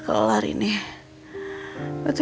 kayaknya tadi ada yang ngetok